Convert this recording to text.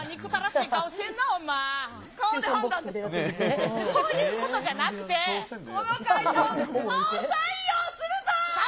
いや、そういうことじゃなくこの会社は、顔採用するぞ！